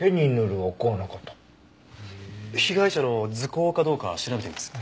被害者の塗香かどうか調べてみます。